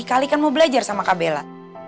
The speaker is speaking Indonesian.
kak ali kan mau belajar sama kak bella